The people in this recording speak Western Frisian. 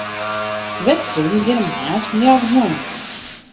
De wedstriden begjinne moarns om healwei njoggenen.